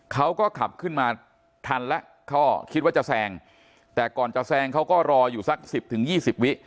เขาก็ขับขึ้นมาทันแล้วก็คิดว่าจะแซงแต่ก่อนจะแซงเขาก็รออยู่สักสิบถึงยี่สิบวิ